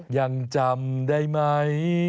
ยังจำได้ไหม